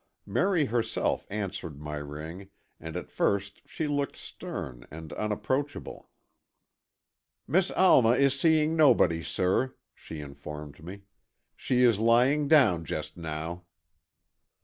Merry herself answered my ring, and at first she looked stern and unapproachable. "Miss Alma is seeing nobody, sir," she informed me. "She is lying down just now."